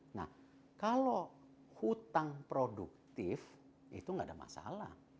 nah kalau hutang produktif itu nggak ada masalah